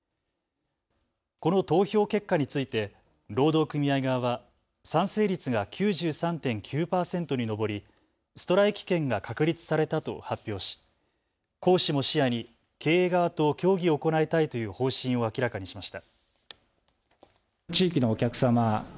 この投票結果について労働組合側は賛成率が９３．９％に上りストライキ権が確立されたと発表し行使も視野に経営側と協議を行いたいという方針を明らかにしました。